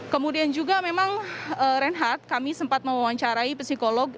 kemudian juga memang renhat kami sempat mewawancarai psikolog